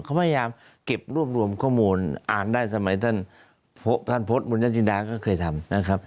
เขาพยายามเก็บรวมข้อมูลอ่านได้สมัยท่านพฤตบุญญาติดาก็เคยทำ